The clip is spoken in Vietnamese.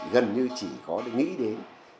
gần như chỉ có để nghĩ đến